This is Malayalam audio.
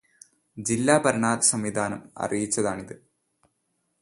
ജില്ലാ ഭരണസംവിധാനം അറിയിച്ചതാണിത്.